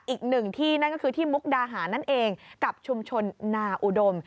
อีกหนึ่งที่นั่นก็คือที่มุกดาหารนั่นเองกับชุมชนนาอุดม